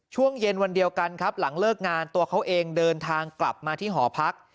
ช่วงเย็นวันเดียวกันครับหลังเลิกงานตัวเขาเองเดินทางกลับมาที่หอพัก